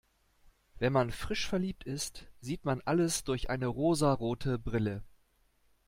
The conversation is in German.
Wenn man frisch verliebt ist, sieht man alles durch eine rosarote Brille.